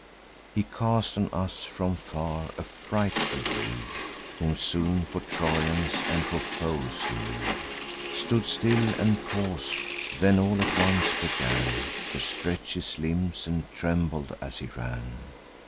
He cast on us, from far, a frightful view, Whom soon for Trojans and for foes he knew; Stood still, and paus'd; then all at once began To stretch his limbs, and trembled as he ran.